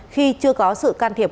khi chưa có sự can thiệp